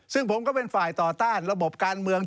ซึ่งผมก็เป็นฝ่ายต่อต้านระบบการเมือง